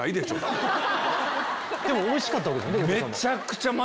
でもおいしかったわけですよね？